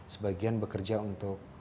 sebagian bekerja untuk